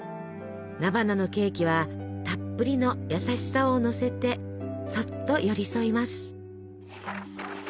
菜花のケーキはたっぷりの優しさをのせてそっと寄り添います。